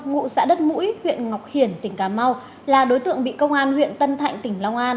ngụ xã đất mũi huyện ngọc hiển tỉnh cà mau là đối tượng bị công an huyện tân thạnh tỉnh long an